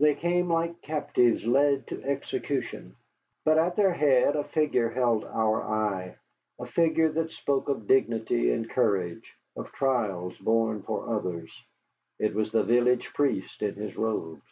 They came like captives led to execution. But at their head a figure held our eye, a figure that spoke of dignity and courage, of trials borne for others. It was the village priest in his robes.